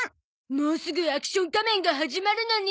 もうすぐ『アクション仮面』が始まるのに。